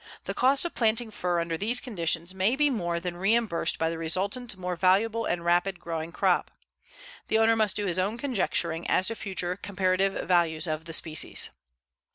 The cost of planting fir under these conditions may be more than reimbursed by the resultant more valuable and rapid growing crop. The owner must do his own conjecturing as to future comparative values of the species.